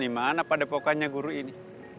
dimana pada pokoknya guru ini